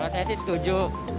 saya sih setuju